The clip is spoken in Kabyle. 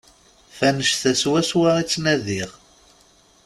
F annect-a swaswa i ttnadiɣ.